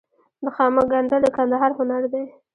د خامک ګنډل د کندهار هنر دی.